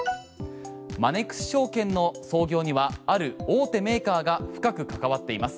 マネックス証券の創業にはある大手メーカーが深く関わっています。